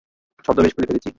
ছদ্মবেশ খুলে ফেলেছি!